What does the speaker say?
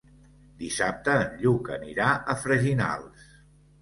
Dissabte en Lluc anirà a Freginals.